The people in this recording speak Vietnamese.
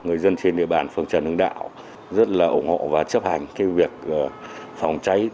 người dân trên địa bàn phường trần hưng đạo rất là ủng hộ và chấp hành cái việc phòng cháy